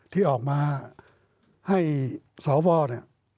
ที่ออกมาให้สวเนี่ย